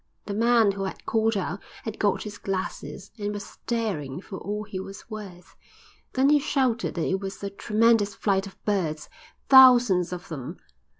The man who had called out had got his glasses, and was staring for all he was worth. Then he shouted that it was a tremendous flight of birds, 'thousands of them.